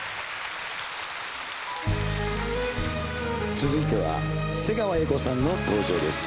続いては瀬川瑛子さんの登場です。